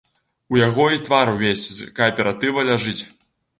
У яго і тавар увесь з кааператыва ляжыць.